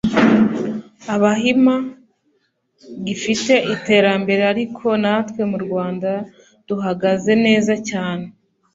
Abahima […] gifite iterambere ariko natwe mu Rwanda duhagaze neza cyane